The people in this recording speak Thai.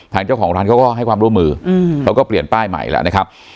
ทางเจ้าของร้านเขาก็ให้ความร่วมมือเขาก็เปลี่ยนป้ายใหม่แล้วนะครับ